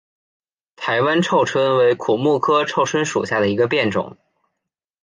台湾臭椿为苦木科臭椿属下的一个变种。